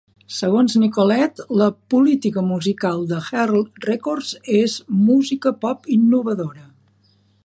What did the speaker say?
Segons Nicolette, la política musical de Early Records es: música pop innovadora.